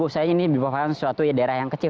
saya ini merupakan suatu daerah yang kecil